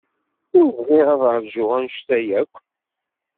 Ur bɣiɣ ad ṛjuɣ anect-a akk.